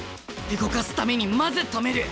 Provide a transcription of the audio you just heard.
動かすためにまず止める。